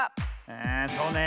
あそうね。